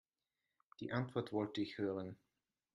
Die Antwort wollte ich hören.